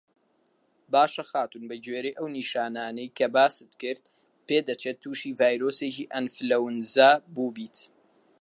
باشه خاتوون بە گوێرەی ئەو نیشانانەی کە باست کرد پێدەچێت تووشی ڤایرۆسێکی ئەنفلەوەنزا بووبیت